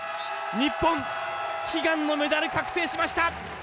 日本悲願のメダル確定しました！